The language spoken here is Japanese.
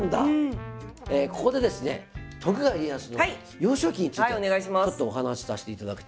ここでですね徳川家康の幼少期についてちょっとお話しさせていただきたいと思います。